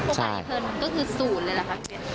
ก็คือสูตรเลยล่ะค่ะ